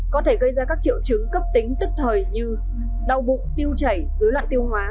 có thể gây ra các triệu chứng cấp tính tức thời như đau bụng tiêu chảy dối loạn tiêu hóa